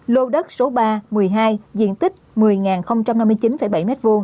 lô đất số ba một mươi hai diện tích một mươi năm mươi chín bảy m hai